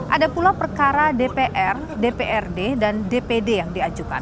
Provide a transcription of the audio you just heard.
ada pula perkara dpr dprd dan dpd yang diajukan